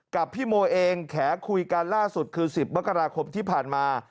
กับพี่โมเองแขคุยกันล่าสุดคือ๑๐มกราคมที่ผ่านมา